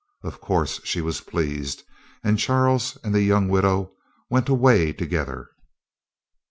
Of course she was pleased, and Charles and the young widow went away together.